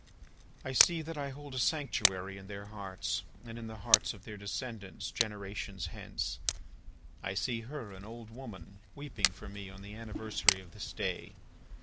"I see that I hold a sanctuary in their hearts, and in the hearts of their descendants, generations hence. I see her, an old woman, weeping for me on the anniversary of this day.